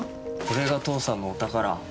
これが父さんのお宝。